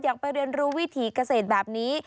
อยากไปเรียนรู้วิถีเกษตรแบบนี้